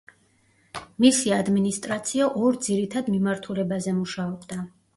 მისი ადმინისტრაცია ორ ძირითად მიმართულებაზე მუშაობდა.